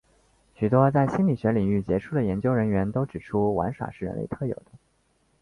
许多在心理学领域杰出的研究人员都指出玩耍是人类特有的。